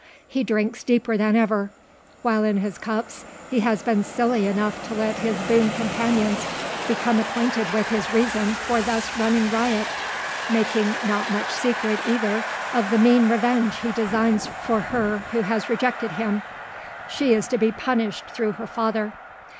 He drinks deeper than ever; while in his cups he has been silly enough to let his boon companions become acquainted with his reason for thus running riot, making not much secret, either, of the mean revenge he designs for her who has rejected him. She is to be punished through her father.